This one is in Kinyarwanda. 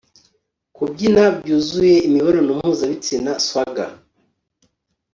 kubyina! -byuzuye imibonano mpuzabitsina, swagger